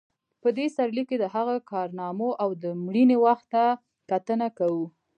په دې سرلیک کې د هغه کارنامو او د مړینې وخت ته کتنه کوو.